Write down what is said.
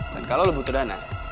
dan kalau lo butuh dana